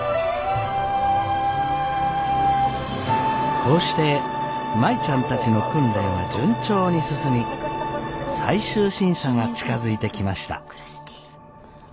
こうして舞ちゃんたちの訓練は順調に進み最終審査が近づいてきました。